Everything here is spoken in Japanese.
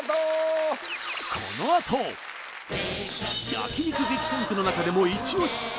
焼肉激戦区の中でもイチオシ！